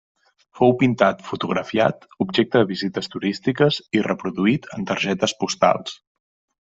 Fou pintat, fotografiat, objecte de visites turístiques i reproduït en targetes postals.